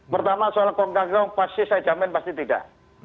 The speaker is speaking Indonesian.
pertama soal kong kalinkong pasti saya jamin pasti tidak